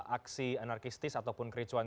aksi anarkistis ataupun kericuan